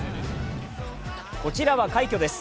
こちらは快挙です。